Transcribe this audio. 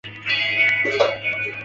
拆除破坏警方架设之拒马